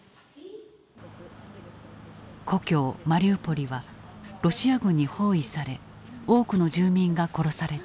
故郷マリウポリはロシア軍に包囲され多くの住民が殺された。